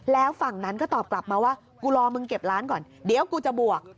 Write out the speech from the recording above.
แล้วฝั่งนั้นก็ตอบกลับมาว่ากูรอมึงเก็บร้านก่อนเดี๋ยวกูจะบวก